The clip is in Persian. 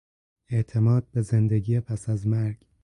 اعتماد به زندگی پس از مرگ